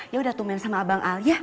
yaudah tukar sama abang al ya